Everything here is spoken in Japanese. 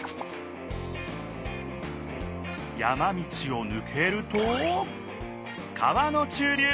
山道をぬけると川の中流。